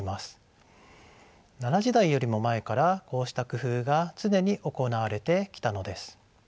奈良時代よりも前からこうした工夫が常に行われてきたのです。